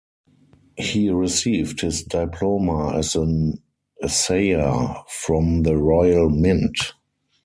He received his diploma as an assayer from the Royal Mint.